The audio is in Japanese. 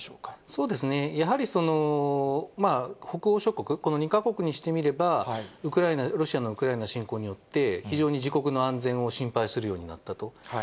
そうですね、やはり北欧諸国、この２か国にしてみれば、ウクライナ、ロシアのウクライナ侵攻によって、非常に自国の安全を心配するようになったと。